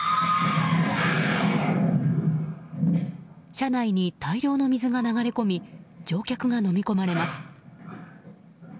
車内に大量の水が流れ込み乗客がのみ込まれます。